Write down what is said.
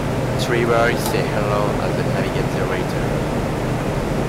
Three boys say hello as they navigate the waters.